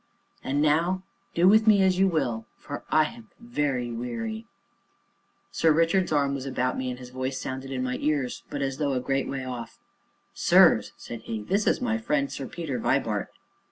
And now do with me as you will for I am very weary " Sir Richard's arm was about me, and his voice sounded in my ears, but as though a great way off: "Sirs," said he, "this is my friend Sir Peter Vibart."